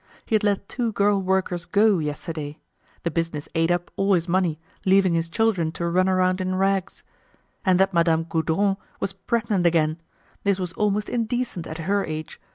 He had let two girl workers go yesterday. The business ate up all his money, leaving his children to run around in rags. And that Madame Gaudron was pregnant again; this was almost indecent at her age.